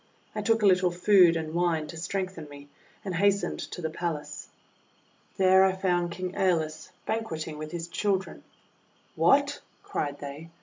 I took a little food and wine to strengthen me, and hastened to the palace. There I found King ^Eolus banqueting with his children. "WTiat!' cried they.